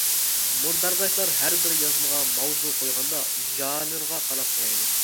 مۇنبەرداشلار ھەر بىر يازمىغا ماۋزۇ قويغاندا ژانىرىغا قاراپ قويايلى.